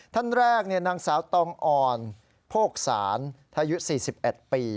ท่านแรกนางสาวตองอ่อนโภกศาลอายุ๔๑ปี